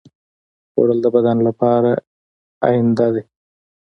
خوړل د بدن لپاره ایندھن دی